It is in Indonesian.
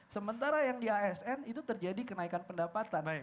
sementara yang di asn itu terjadi kenaikan pendapatan